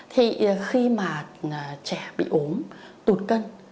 thì khi mà trẻ bị ốm tụt cân